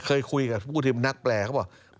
เคยคุยกับผู้ทีมนักแปลเขาบอก